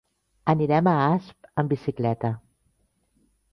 Anirem a Asp amb bicicleta.